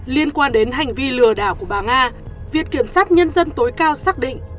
liên quan đến hành vi lừa đảo của bà nga viện kiểm sát nhân dân tối cao xác định